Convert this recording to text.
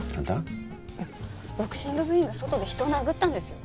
ボクシング部員が外で人を殴ったんですよ？